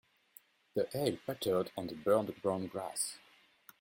The hail pattered on the burnt brown grass.